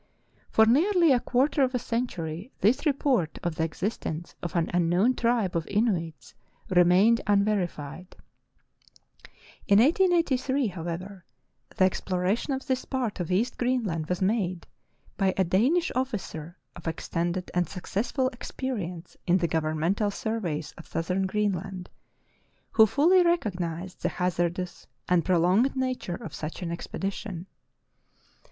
For nearly a quarter of a century this report of the ex istence of an unknown tribe of Inuits remained unveri fied. In 1883, however, the exploration of this part of East Greenland was made by a Danish officer of ex tended and successful experience in the governmental surveys of southern Greenland, who fully recognized the hazardous and prolonged nature of such an expedition.